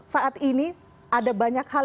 saat ini ada banyak hal